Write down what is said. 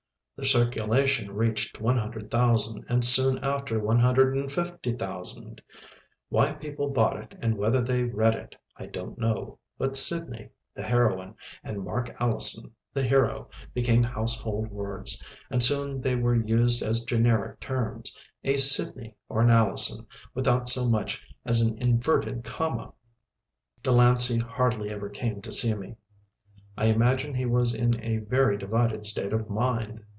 The circulation reached 100,000 and soon after, 150,000. Why people bought it and whether they read it, I don't know, but Sydney (the heroine) and Mark Allison (the hero) became household words and soon they were used as generic terms a Sydney, or an Allison, without so much as an inverted comma! Delancey hardly ever came to see me. I imagine he was in a very divided state of mind!